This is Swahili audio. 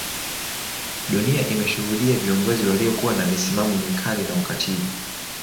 Dunia imeshuhudia viongozi waliokuwa na misimamo mikali na ukatili